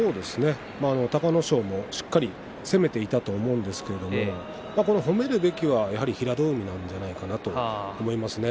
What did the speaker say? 隆の勝もしっかりと攻めていったと思うんですけれど褒めるべきはやはり平戸海なんじゃないかなと思いますね。